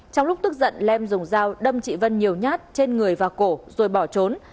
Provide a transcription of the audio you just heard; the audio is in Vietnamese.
trong lúc tức giận lem dùng dao đâm chị vân nhiều nhát trên người và cổ rồi bỏ trốn